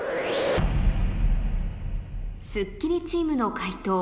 『スッキリ』チームの解答